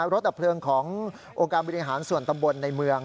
รถดับเพลิงของโอกาสบินหาส่วนตำบลในเมือง